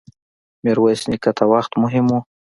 ميرويس نيکه ته وخت مهم و.